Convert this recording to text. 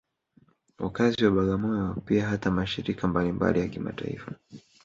Wakazi wa Bagamoyo pia hata mashirika mbalimbali ya kimataifa